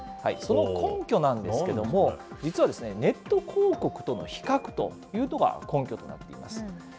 その根拠なんですけども、実は、ネット広告との比較というのが根拠となっています。